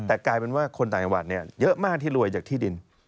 แต่กลายเป็นว่าคนต่างจังหวัดเยอะมากที่รวยจากที่ดิน